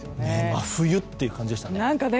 真冬という感じでしたね。